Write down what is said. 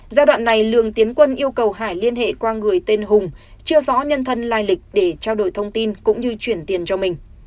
giai đoạn này lường tiến quân yêu cầu hải liên hệ qua người tên hùng chưa rõ nhân thân lai lịch để trao đổi thông tin cũng như chuyển tiền cho mình